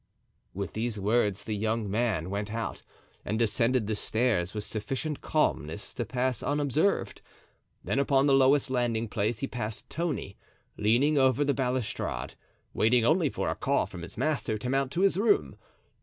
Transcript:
With these words the young man went out and descended the stairs with sufficient calmness to pass unobserved; then upon the lowest landing place he passed Tony, leaning over the balustrade, waiting only for a call from his master to mount to his room.